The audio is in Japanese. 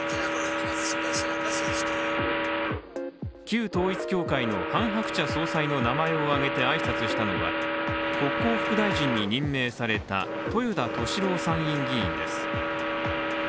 旧統一教会のハン・ハクチャ総裁の名前を挙げて挨拶したのは国交副大臣に任命された豊田俊郎参院議員です。